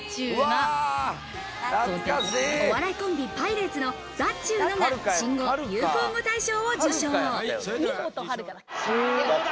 お笑いコンビ、パイレーツの「だっちゅーの」が新語・流行語大賞を受賞。